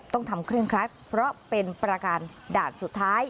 ต้องทำเครื่องครัดเพราะเป็นประการด่านสุดท้าย